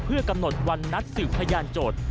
เพื่อกำหนดวันนัดสืบพยานโจทย์